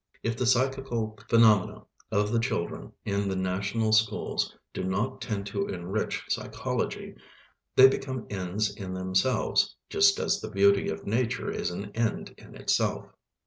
If the psychical phenomena of the children in the national schools do not tend to enrich psychology, they become ends in themselves, just as the beauty of Nature is an end in itself.